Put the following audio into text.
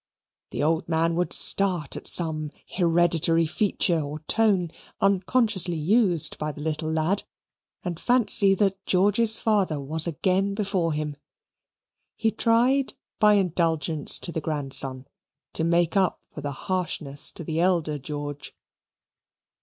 The old man would start at some hereditary feature or tone unconsciously used by the little lad, and fancy that George's father was again before him. He tried by indulgence to the grandson to make up for harshness to the elder George.